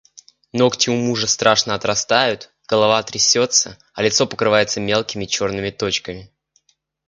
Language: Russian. Ногти у мужа страшно отрастают, голова трясётся, а лицо покрывается мелкими чёрными точками.